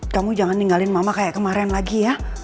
kamu jangan ninggalin mama kayak kemarin lagi ya